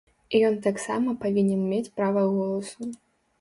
І ён таксама павінен мець права голасу.